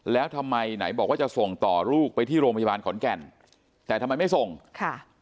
แล้วทำไมไหนบอกว่าจะส่งต่อลูกไปที่โรงพยาบาลขอนแก่นแต่ทำไมไม่ส่งค่ะ